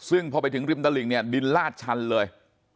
ซึ่งพอไปถึงริมตลิ่งเนี่ยดินลาดชันเลย